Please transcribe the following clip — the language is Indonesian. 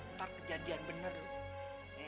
ntar kejadian bener